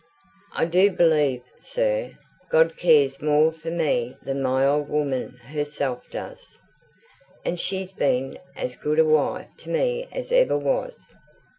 I do believe, sir, God cares more for me than my old woman herself does, and she's been as good a wife to me as ever was.